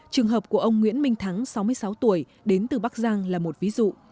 trường hợp của ông nguyễn minh thắng sáu mươi sáu tuổi đến từ bắc giang là một ví dụ